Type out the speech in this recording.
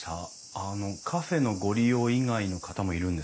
あのカフェのご利用以外の方もいるんですか？